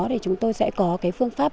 để chúng tôi sẽ có cái phương pháp